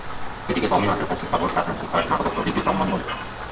এটিকে কওমি মাদ্রাসার শিক্ষা বোর্ড সাধারণ শিক্ষার স্নাতকোত্তর ডিগ্রির সমমান বলে।